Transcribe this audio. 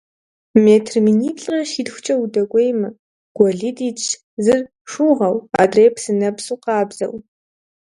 Метр миниплӏрэ щитхукӀэ удэкӀуеймэ, гуэлитӀ итщ, зыр шыугъэу, адрейр псынэпсу къабзэу.